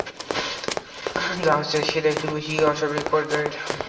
যা হচ্ছে সেটা একটু বেশীই অস্বাভাবিক পর্যায়ের!